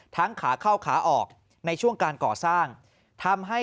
ขาเข้าขาออกในช่วงการก่อสร้างทำให้